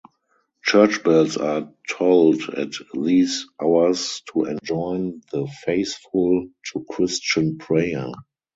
Church bells are tolled at these hours to enjoin the faithful to Christian prayer.